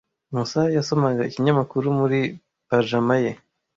Musa yasomaga ikinyamakuru muri pajama ye.